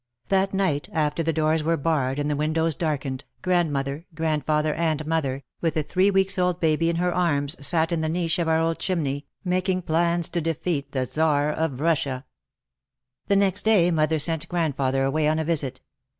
That night after the doors were barred and the win dows darkened, grandmother, grandfather, and mother, with a three weeks' old baby in her arms, sat in the niche of our chimney, making plans to defeat the Tzar of Russia. The next day mother sent grandfather away on a visit.